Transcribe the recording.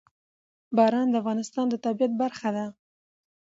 باران د افغانستان د طبیعت برخه ده.